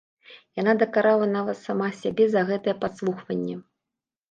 Яна дакарала нават сама сябе за гэтае падслухванне.